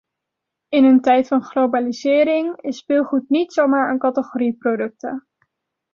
In een tijd van globalisering, is speelgoed niet zomaar een categorie producten.